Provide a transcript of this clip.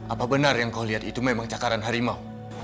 apa benar yang kau lihat itu memang cakaran harimau